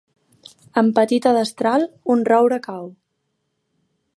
Amb petita destral un roure cau.